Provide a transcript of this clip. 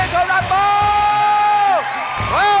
เวลากล้ากับธรรมดีเบอร์ฟอคซี